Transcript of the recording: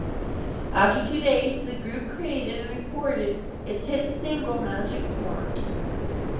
After two days, the group created and recorded its hit single Magic's Wand.